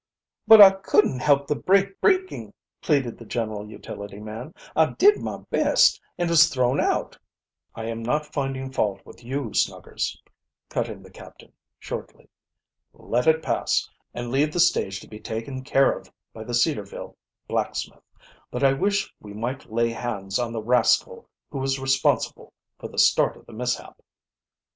"But I couldn't help the brake breaking," pleaded the general utility man. "I did my best, and was thrown out " "I am not finding fault with you, Snugger," cut in the captain, shortly. "Let it pass, and leave the stage to be taken care of by the Cedarville blacksmith. But I wish we might lay hands on the rascal who is responsible for the start of the mishap."